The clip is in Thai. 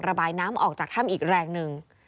ระบายน้ำออกจากถ้ำอีกแรงหนึ่ง